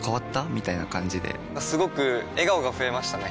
みたいな感じですごく笑顔が増えましたね！